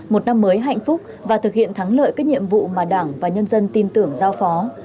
một năm mới hạnh phúc và thực hiện thắng lợi các nhiệm vụ mà đảng và nhân dân tin tưởng giao phó